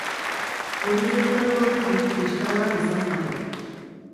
Hori gertatu aurretik, liskar bat izan zuten.